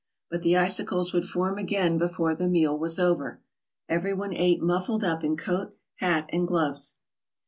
But the icicles would form again before the meal was over. Everyone ate muffled up in coat, hat, and gloves.